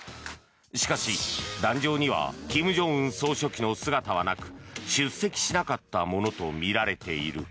しかし、壇上には金正恩総書記の姿はなく出席しなかったものとみられる。